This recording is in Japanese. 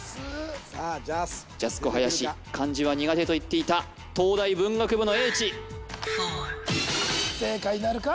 ジャスコ林漢字は苦手と言っていた東大文学部の叡智正解なるか？